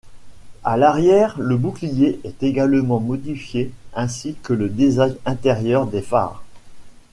À l'arrière le bouclier est également modifié ainsi que le design intérieur des phares.